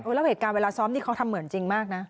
แล้วเหตุการณ์เวลาซ้อมนี่เขาทำเหมือนจริงมากนะ